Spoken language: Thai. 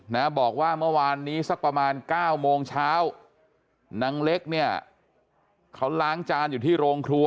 นะบอกว่าเมื่อวานนี้สักประมาณเก้าโมงเช้านางเล็กเนี่ยเขาล้างจานอยู่ที่โรงครัว